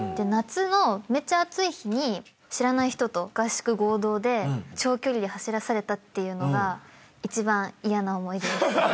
夏のめっちゃ暑い日に知らない人と合宿合同で長距離で走らされたっていうのが一番嫌な思い出です。